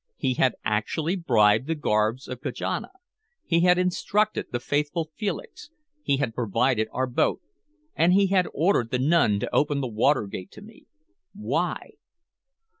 He had actually bribed the guards of Kajana; he had instructed the faithful Felix, he had provided our boat, and he had ordered the nun to open the water gate to me. Why?